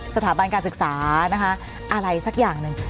สถาบันการศึกษานะคะอะไรสักอย่างหนึ่ง